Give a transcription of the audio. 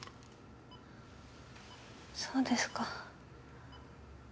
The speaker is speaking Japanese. そうですか。